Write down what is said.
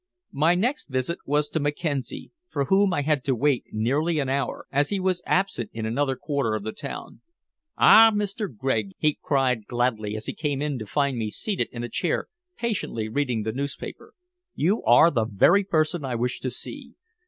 My next visit was to Mackenzie, for whom I had to wait nearly an hour, as he was absent in another quarter of the town. "Ah, Mr. Gregg!" he cried gladly, as he came in to find me seated in a chair patiently reading the newspaper. "You are the very person I wish to see.